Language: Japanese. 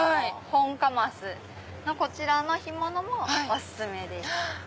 本カマスのこちらの干物もお薦めです。